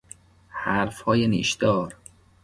حرفهای نیشدار